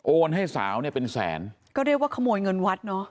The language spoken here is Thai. ให้สาวเนี่ยเป็นแสนก็เรียกว่าขโมยเงินวัดเนอะ